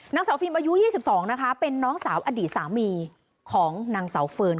นางสาวฟิล์อายุ๒๒นะคะเป็นน้องสาวอดีตสามีของนางเสาเฟิร์น